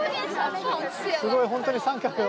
すごい本当に三角だ。